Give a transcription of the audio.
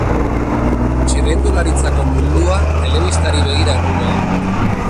Txirrindularitzako mundua telebistari begira egongo da.